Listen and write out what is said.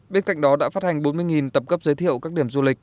bên cạnh đó đã phát hành bốn mươi tập cấp giới thiệu các điểm du lịch